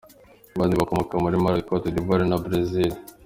Abandi bakomoka muri Malawi, Cote d’Ivoire na Brazil.